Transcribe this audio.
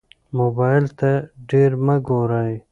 موبایل ته ډېر مه ګورئ.